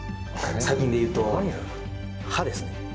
最近でいうと歯ですね